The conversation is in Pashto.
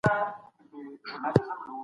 د بریتانیا د شکر ټولنه څېړنه تمویل کړې.